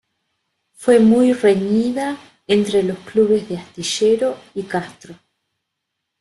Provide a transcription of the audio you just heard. Fue muy reñida entre los clubes de Astillero y Castro.